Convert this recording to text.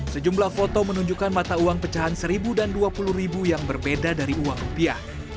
sejumlah foto menunjukkan mata uang pecahan seribu dan dua puluh ribu yang berbeda dari uang rupiah